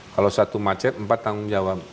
kalau satu macet empat tanggung jawab